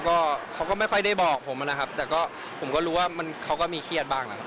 ก็เขาก็ไม่ค่อยได้บอกผมนะครับแต่ก็ผมก็รู้ว่ามันเขาก็มีเครียดบ้างนะครับ